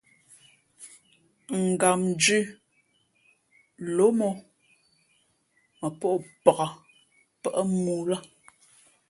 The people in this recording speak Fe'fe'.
Gam dhʉ̄ lóm ǒ mα pᾱʼ o pāk pάʼ mōō lά.